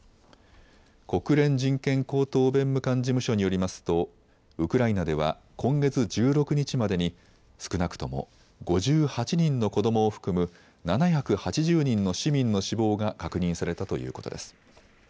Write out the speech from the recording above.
国連人権高等弁務官事務所によりますとウクライナでは今月１６日までに少なくとも５８人の子どもを含む７８０人の市民の死亡が確認されたということです。